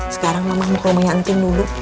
sekarang mamamu mau meyangking dulu